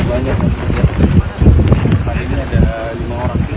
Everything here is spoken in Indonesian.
hari ini ada lima orang